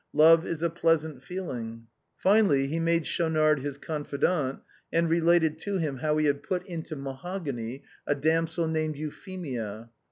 " Love is a pleasant feeling." Finall}', he made Schaiinard his confidant, and related to him how he had "put into mahogany" a damsel named Eu phemia.